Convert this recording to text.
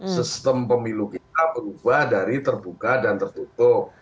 sistem pemilu kita berubah dari terbuka dan tertutup